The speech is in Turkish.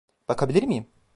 Bakabilir miyim?